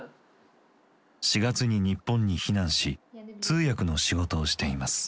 ４月に日本に避難し通訳の仕事をしています。